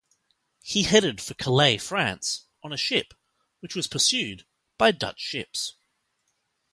He headed for Calais, France, on a ship which was pursued by Dutch ships.